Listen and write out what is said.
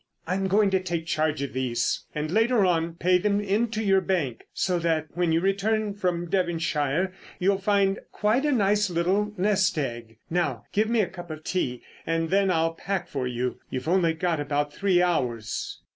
"I'm going to take charge of these, and later on pay them into your bank. So that when you return from Devonshire, you'll find quite a nice little nest egg.... Now, give me a cup of tea, and then I'll pack for you. You've only got about three hours."